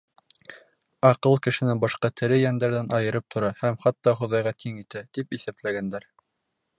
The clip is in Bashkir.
Аҡыл кешене башҡа тере йәндәрҙән айырып тора һәм хатта Хоҙайға тиң итә, тип иҫәпләгәндәр.